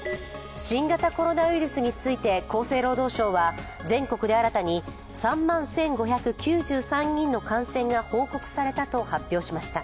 新型コロナウイルスについて厚生労働省は全国で新たに３万１５９３人の感染が報告されたと発表しました。